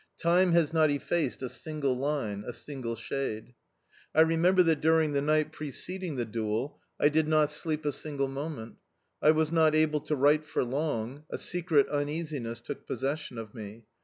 Time has not effaced a single line, a single shade. I remember that during the night preceding the duel I did not sleep a single moment. I was not able to write for long: a secret uneasiness took possession of me.